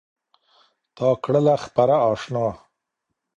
تـا كــړلــه خـــپـــره اشــــنـا